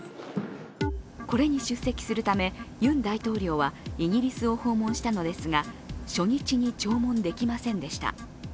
これに出席するため、ユン大統領はイギリスを訪問したのですが初日に弔問できませんでした。